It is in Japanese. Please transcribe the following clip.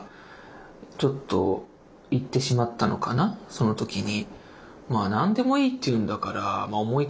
その時に。